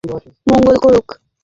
ভগবান ওর মঙ্গল করুক।